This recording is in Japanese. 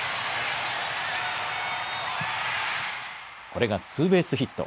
これがツーベースヒット。